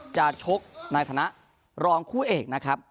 จะชกในฐานะรองคู่เอกนะครับ